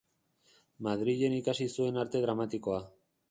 Madrilen ikasi zuen Arte Dramatikoa.